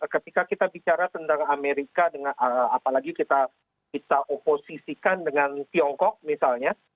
ketika kita bicara tentang amerika apalagi kita oposisikan dengan tiongkok misalnya